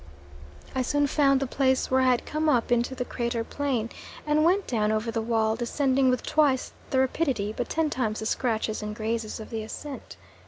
I soon found the place where I had come up into the crater plain and went down over the wall, descending with twice the rapidity, but ten times the scratches and grazes, of the ascent.